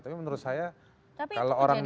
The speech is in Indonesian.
tapi menurut saya kalau orang